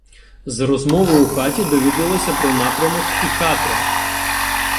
З розмови у хаті довідалася про напрямок і Катря.